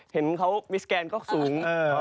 เห็นเขามิสแกนก็สูง